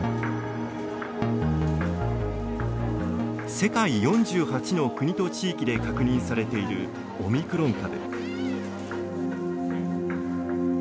世界４８の国と地域で確認されているオミクロン株。